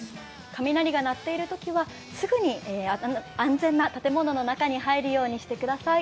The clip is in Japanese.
雷が鳴っているときはすぐに安全な建物の中に入るようにしてください。